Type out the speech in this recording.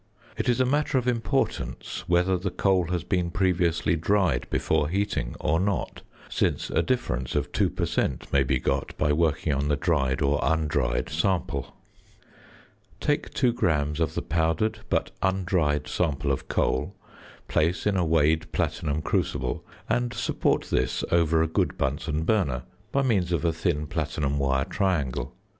It is a matter of importance whether the coal has been previously dried before heating or not, since a difference of 2 per cent. may be got by working on the dried or undried sample. Take 2 grams of the powdered, but undried, sample of coal, place in a weighed platinum crucible, and support this over a good Bunsen burner by means of a thin platinum wire triangle.